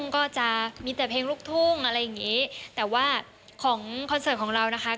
ก็จะมีแต่เพลงลูกทุ่งอะไรอย่างงี้แต่ว่าของคอนเสิร์ตของเรานะคะ